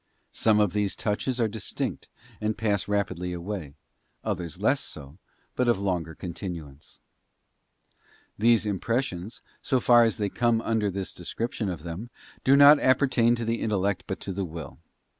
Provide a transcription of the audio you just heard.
Some of these touches are distinct, and pass rapidly away ; others less so, but of longer ~ continuance. Sie actin These Impressions — so far as they come under this de tote scription of them — do not appertain to the intellect but to — the will.